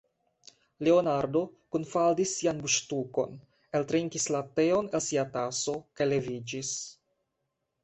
Leonardo kunfaldis sian buŝtukon, eltrinkis la teon el sia taso, kaj leviĝis.